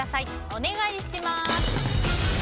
お願いします。